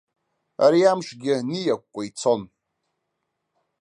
Ари амшгьы ниакәкәа ицон.